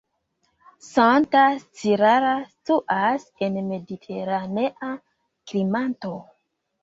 Santa Clara situas en mediteranea klimato.